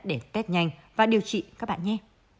để test nhanh và điều trị các bạn nhé